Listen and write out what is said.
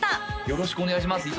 よろしくお願いします